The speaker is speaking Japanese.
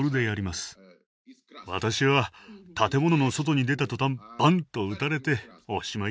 私は建物の外に出た途端「バン！」と撃たれておしまい。